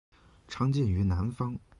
常见于南方。